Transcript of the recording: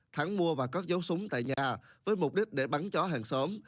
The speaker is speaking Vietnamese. thắng mua và cất dấu súng tại nhà với mục đích để bắn chó hàng xóm